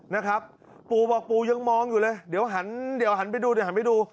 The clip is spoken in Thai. นะครับปู่บอกปู่ยังมองอยู่เลยเดี๋ยวหันเดี๋ยวหันไปดูเดี๋ยวหันไปดู